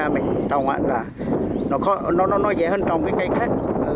cây macca mình trồng là nó dễ hơn trồng cái cây khác